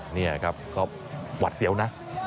นี่ครับก็หวัดเสียวนะ